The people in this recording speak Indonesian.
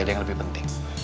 ada yang lebih penting